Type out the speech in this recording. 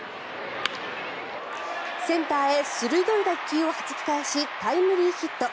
センターへ鋭い打球をはじき返しタイムリーヒット。